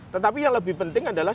tetapi yang lebih penting adalah